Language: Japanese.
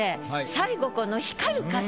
最後この「光る傘」